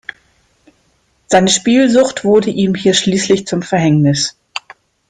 Seine Spielsucht wurde ihm hier schließlich zum Verhängnis.